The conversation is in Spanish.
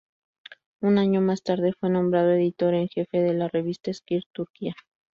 Un año más tarde fue nombrada editor en jefe de la revista "Esquire Turquía".